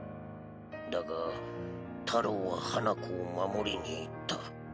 だが太朗は花子を守りに行った。